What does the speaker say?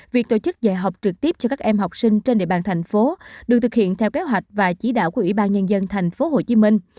việc tổ chức dạy học trực tiếp cho các em học sinh trên địa bàn thành phố được thực hiện theo kế hoạch và chỉ đạo của ủy ban nhân dân thành phố hồ chí minh